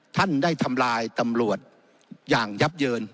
ท่านได้ทำลายตำรวจอย่างยับเยิน